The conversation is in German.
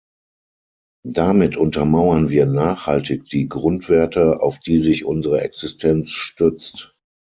Damit untermauern wir nachhaltig die Grundwerte, auf die sich unsere Existenz stützt.